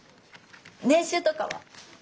年収とかは？